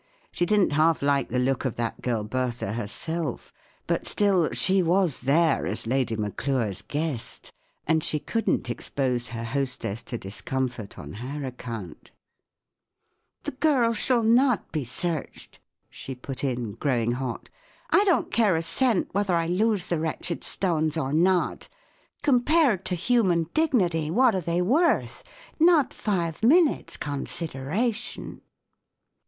She didn't half like the look of that girl Bertha, herself ; but still, she was there as Lady Maclure's guest, and she couldn't expose her hostess to discomfort on her account " The girl shall not be searched/ 1 she put in, growing hot " I don't care a cent whether I lose the wretched stones or not Compared to human dignity, w p hat are they worth ? Not five minutes' con¬ sideration."